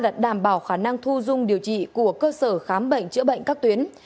tiêu chí bốn đảm bảo khả năng thu dung điều trị của cơ sở khám bệnh chữa bệnh các tuyến